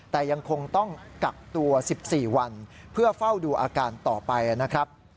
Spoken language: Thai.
แต่ยังคงต้องกักตัว๑๔วันเพื่อเฝ้าดูอาการต่อไปนะครับ